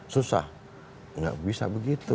susah nggak bisa begitu